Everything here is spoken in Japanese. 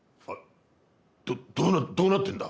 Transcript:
どどうなどうなってるんだ！？